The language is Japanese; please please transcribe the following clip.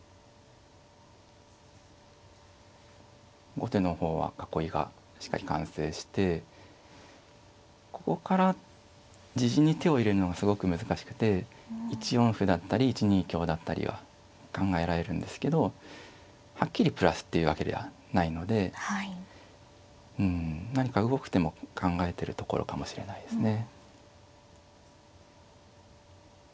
後手の方は囲いがしっかり完成してここから自陣に手を入れるのがすごく難しくて１四歩だったり１二香だったりは考えられるんですけどはっきりプラスっていうわけではないのでうん何か動く手も考えてるところかもしれないですね。